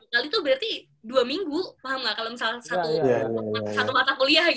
dua kali tuh berarti dua minggu paham nggak kalau misal satu mata kuliah gitu ya